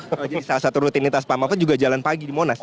jadi salah satu rutinitas pak mafud juga jalan pagi di monas